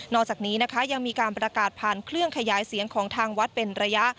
อกจากนี้นะคะยังมีการประกาศผ่านเครื่องขยายเสียงของทางวัดเป็นระยะ